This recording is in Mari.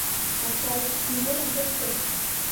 Ачай, имнетым кычке.